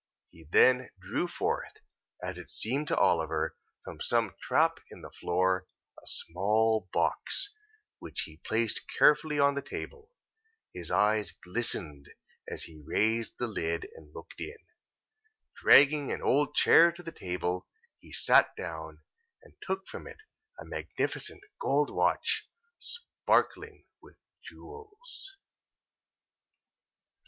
He then drew forth: as it seemed to Oliver, from some trap in the floor: a small box, which he placed carefully on the table. His eyes glistened as he raised the lid, and looked in. Dragging an old chair to the table, he sat down; and took from it a magnificent gold watch, sparkling with jewels.